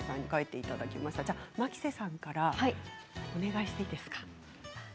牧瀬さんからお願いしていいですか？